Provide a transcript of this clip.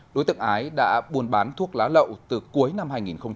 đối tượng ái đã buôn bán thuốc lá lậu từ cuối năm hai nghìn một mươi chín